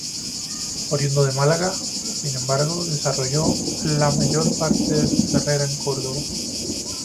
Oriundo de Málaga, sin embargo, desarrolló la mayor parte de su carrera en Córdoba.